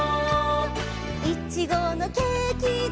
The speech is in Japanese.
「いちごのケーキだ」